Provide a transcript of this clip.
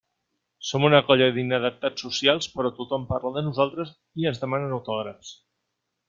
Som una colla d'inadaptats socials, però tothom parla de nosaltres i ens demanen autògrafs.